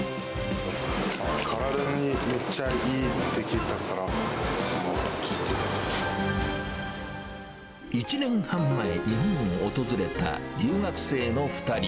体にめっちゃいいって聞いた１年半前、日本を訪れた留学生の２人。